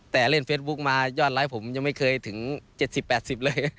แต่เล่นเฟซบุ๊กมายอดไลค์ผมยังไม่เคยถึง๗๐๘๐เลย